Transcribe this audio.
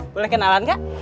boleh kenalan nggak